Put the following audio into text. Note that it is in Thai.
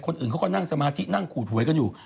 คนอื่นเขาก็นั่งสมาธินั่งขูดหวยกันอยู่